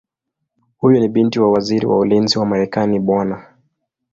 Huyu ni binti wa Waziri wa Ulinzi wa Marekani Bw.